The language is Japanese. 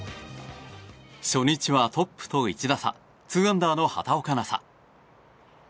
初日はトップと１打差２アンダーの畑岡奈紗。